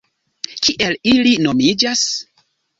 Kiel ili nomiĝas?